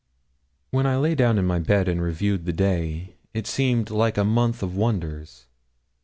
When I lay down in my bed and reviewed the day, it seemed like a month of wonders.